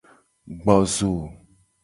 Gbo zo.